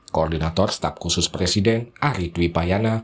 koordinator staf khusus presiden ari dwi payana